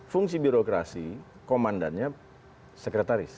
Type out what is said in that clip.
fungsi birokrasi komandannya sekretaris